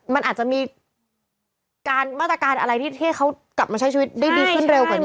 มันอาจจะมีการมาตรการอะไรที่ให้เขากลับมาใช้ชีวิตได้ดีขึ้นเร็วกว่านี้